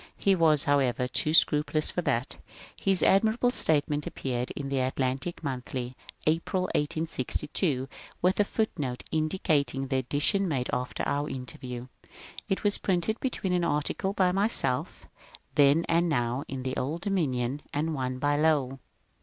He was, however, too scrupulous for that. His admirable statement appeared in the " Atlantic Monthly^', April, 1862, with a foot note indicating the addition made after our interview. It was printed between an article by myself, *^ Then and Now in the Old Dominion," and one by Lowell.